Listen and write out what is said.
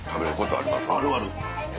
あるある。